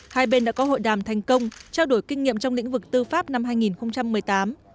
hai bên đã có hội đàm thành công trao đổi kinh nghiệm trong lĩnh vực tư pháp năm hai nghìn một mươi tám